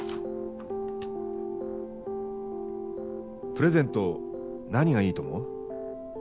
「プレゼント何が良いと思う？」。